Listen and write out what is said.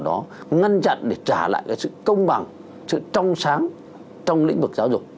nó ngăn chặn để trả lại cái sự công bằng sự trong sáng trong lĩnh vực giáo dục